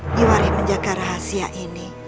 nyiwari menjaga rahasia ini